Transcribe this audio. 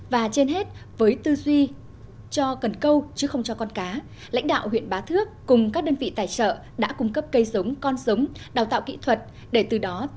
và trên hết với tư duy cho cần câu chứ không cho con cá lãnh đạo huyện bá thước cùng các đơn vị tài trợ đã cung cấp cây giống con giống đào tạo kỹ thuật để từ đó